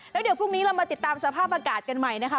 แล้วเดี๋ยวพรุ่งนี้เรามาติดตามสภาพอากาศกันใหม่นะคะ